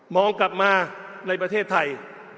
กลับมาในประเทศไทย